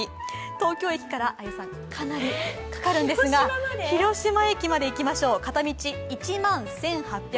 東京駅から、かなりかかるんですが広島駅まで行きましょう片道１万１８８０円。